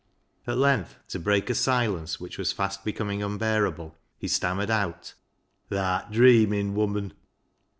At length, to break a silence which was fast becoming unbearable, he stammered out —" Tha'rt dreamin', woman."